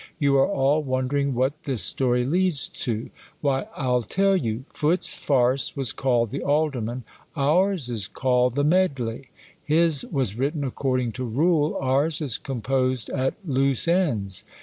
You are all wondering what this story leads to. Why, I'll tell you ; Footc's farce was called the Alderm.an, ours is called the Medley ;. his was written according to rule, ours is composed at loose ends.